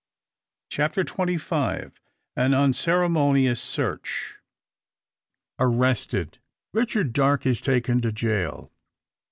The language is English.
CHAPTER TWENTY FIVE. AN UNCEREMONIOUS SEARCH. Arrested, Richard Darke is taken to jail.